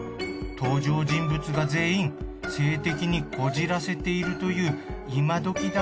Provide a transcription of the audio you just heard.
登場人物が全員性的にこじらせているという今どき